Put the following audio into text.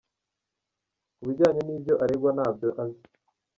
Ku bijyanye n'ibyo aregwa, ntabyo azi.